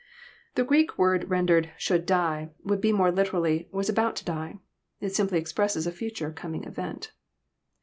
The Greek word rendered "should die," would be more literally, " was about to die." It simply expresses a future coming event.